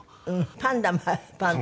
パンダもあるパンダ。